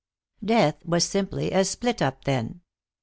Death was simply a split up, then.